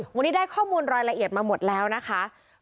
วันนี้ได้ข้อมูลรายละเอียดมาหมดแล้วนะคะ